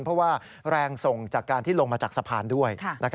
เพราะว่าแรงส่งจากการที่ลงมาจากสะพานด้วย